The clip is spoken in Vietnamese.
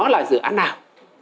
và dự án nào